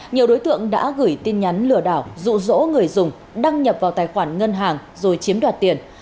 nhiều đối tượng đã gửi tin nhắn lừa đảo rụ rỗ người dùng đăng nhập vào tài khoản ngân hàng rồi chiếm đoạt tiền